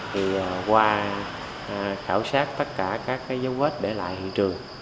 thì qua khảo sát tất cả các dấu vết để lại hiện trường